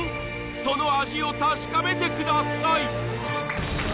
その味を確かめてください